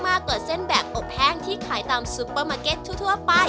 กว่าเส้นแบบอบแห้งที่ขายตามซุปเปอร์มาร์เก็ตทั่วไป